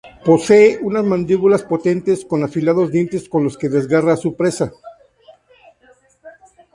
Posee unas mandíbulas potentes con afilados dientes con los que desgarra a su presa.